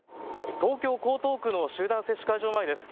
東京江東区の集団接種会場前です。